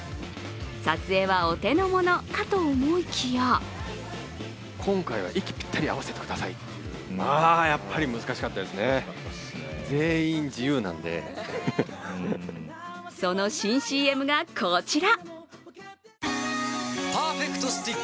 撮影はお手の物かと思いきやその新ＣＭがこちら。